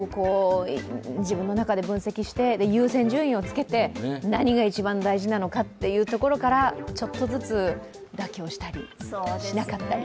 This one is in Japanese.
いろんなデータがありますので自分の中で分析して優先順位をつけて何が一番大事なのかというところから、ちょっとずつ妥協したり、しなかったり。